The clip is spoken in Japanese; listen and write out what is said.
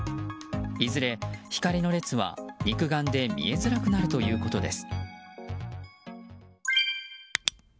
いずれ光の列は肉眼で見えづらくなるということです。